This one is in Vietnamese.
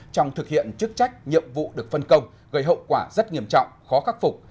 trong thực hiện chức trách nhiệm vụ được phân công gây hậu quả rất nghiêm trọng khó khắc phục